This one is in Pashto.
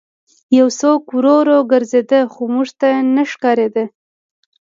یو څوک ورو ورو ګرځېده خو موږ ته نه ښکارېده